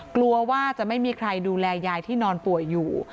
กลัวว่าจะไม่มีใครดูแลยายที่นอนป่วยอยู่